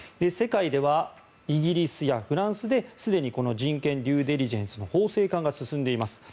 世界ではイギリスやフランスですでにこの人権デューデリジェンスの法制化が進んでいます。